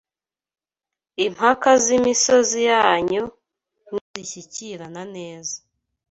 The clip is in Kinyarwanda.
Impaka z’imisozi yanyu Nizishyikirana neza